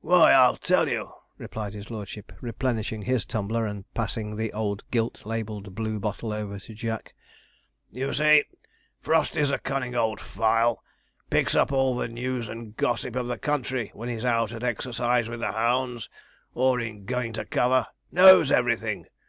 'Why, I'll tell you,' replied his lordship, replenishing his tumbler, and passing the old gilt labelled blue bottle over to Jack; 'you see, Frosty's a cunning old file, picks up all the news and gossip of the country when he's out at exercise with the hounds, or in going to cover knows everything!